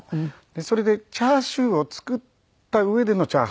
それでチャーシューを作った上でのチャーハンなので。